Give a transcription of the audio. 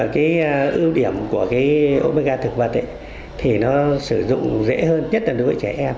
cái ưu điểm của cái omiga thực vật ấy thì nó sử dụng dễ hơn nhất là đối với trẻ em